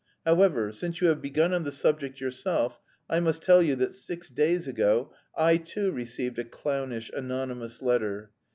However, since you have begun on the subject yourself, I must tell you that six days ago I too received a clownish anonymous letter.